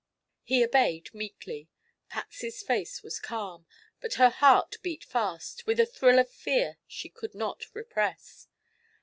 He obeyed meekly. Patsy's face was calm, but her heart beat fast, with a thrill of fear she could not repress.